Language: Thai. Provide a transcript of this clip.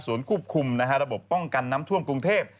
ควบคุมระบบป้องกันน้ำท่วมกรุงเทพ